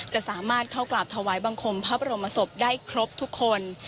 จะสามารถเข้ากราบถวายบังคมพระบรมศพได้ครบทุกคน